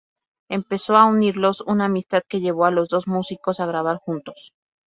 Empezó a unirlos una amistad que llevó a los dos músicos a grabar juntos.